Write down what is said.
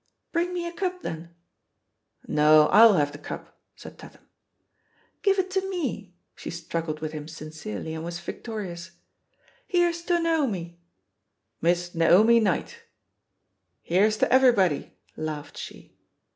"Bring me a cup, thenl" "No, rU have the cup," said Tatham. "Give it to mer She struggled with him sin cerely, and was victorious, "Here's to Naomi 1" "Miss Naomi Knight I" "Here's to everybody T* laughed she.